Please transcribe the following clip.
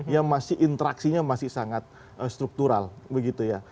yang masih interaksinya masih sangat struktural begitu ya